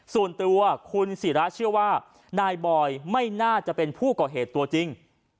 ส่วนตัวคุณศิราเชื่อว่านายบอยไม่น่าจะเป็นผู้ก่อเหตุตัวจริง